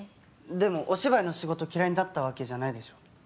でもお芝居の仕事嫌いになったわけじゃないでしょ？